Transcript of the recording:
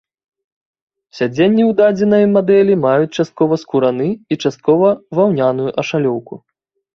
Сядзенні ў дадзенай мадэлі маюць часткова скураны і часткова ваўняную ашалёўку.